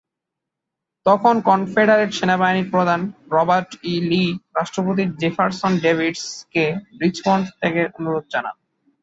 তখন কনফেডারেট সেনাবাহিনীর প্রধান রবার্ট ই লি রাষ্ট্রপতি জেফারসন ডেভিস-কে রিচমন্ড ত্যাগের অনুরোধ জানান।